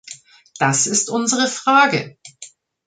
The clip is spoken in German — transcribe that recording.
Das ist unsere Frage.